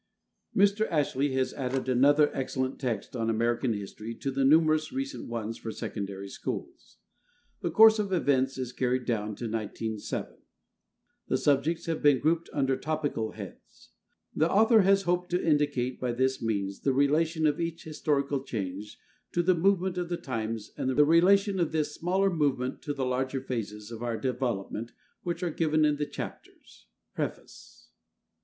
Mr. Ashley has added another excellent text on American history to the numerous recent ones for secondary schools. The course of events is carried down to 1907. "The subjects have been grouped under topical heads. The author has hoped to indicate by this means the relation of each historical change to the movement of the times and the relation of this smaller movement to the larger phases of our development which are given in the chapters" (preface).